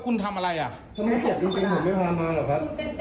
คุณเป็นแพทย์คุณก็ต้องมีจันทร์ยาวัลของความเป็นแพทย์ไหมคะ